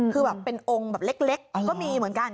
คือเป็นองค์เล็กก็มีเหมือนกัน